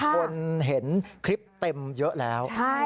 คนเห็นคลิปเต็มเยอะแล้ว